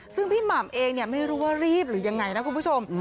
ซึ่งพี่หม่ำเองไม่รู้ว่ารีบหรือยังไงนะคุณผู้ชม